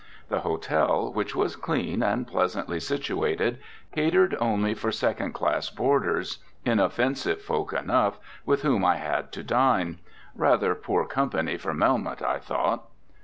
The hotel, which was clean and pleasantly situated, catered only for second class boarders, inoffensive folk enough, with whom I had to dine. Rather poor company for Melmoth, I thought.